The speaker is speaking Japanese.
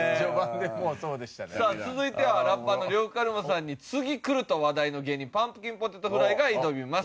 さあ続いてはラッパーの呂布カルマさんに次来ると話題の芸人パンプキンポテトフライが挑みます。